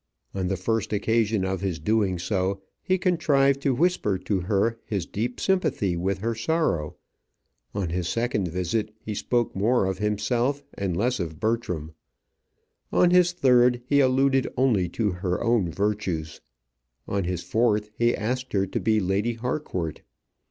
On the first occasion of his doing so, he contrived to whisper to her his deep sympathy with her sorrow; on his second visit, he spoke more of himself and less of Bertram; on his third, he alluded only to her own virtues; on his fourth, he asked her to be Lady Harcourt.